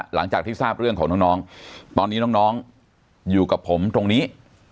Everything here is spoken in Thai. หลังจากที่ทราบเรื่องของน้องตอนนี้น้องอยู่กับผมตรงนี้